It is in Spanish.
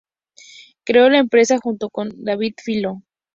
Creó la empresa junto con David Filo.